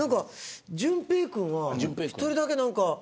順平君は１人だけ、なんか。